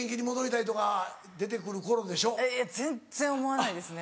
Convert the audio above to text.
いや全然思わないですね。